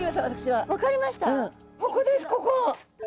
ここですここ。